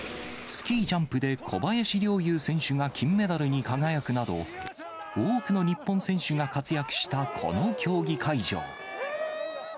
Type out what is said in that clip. スキージャンプで小林陵侑選手が金メダルに輝くなど、多くの日本選手が活躍したこの競技会場。